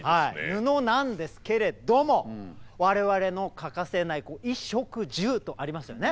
布なんですけれども我々の欠かせない衣食住とありますよね。